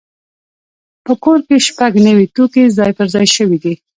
په کور کې شپږ نوي توکي ځای پر ځای شوي دي.